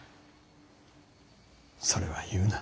それは言うな。